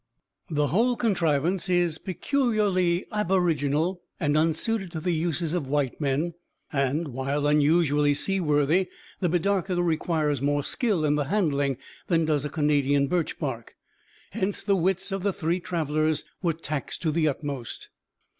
The whole contrivance is peculiarly aboriginal and unsuited to the uses of white men; and, while unusually seaworthy, the bidarka requires more skill in the handling than does a Canadian birch bark, hence the wits of the three travellers were taxed to the utmost.